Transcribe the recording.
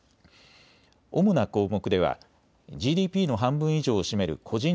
主な項目ではＧＤＰの半分以上を占める個人